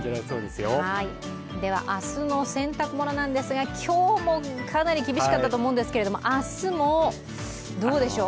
明日の洗濯物なんですが今日もかなり厳しかったと思うんですが、明日もどうでしょう。